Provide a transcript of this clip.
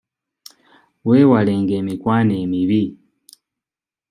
Weewalenga emikwano emibi.